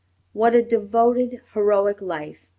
What a devoted, heroic life!